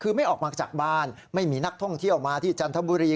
คือไม่ออกมาจากบ้านไม่มีนักท่องเที่ยวมาที่จันทบุรี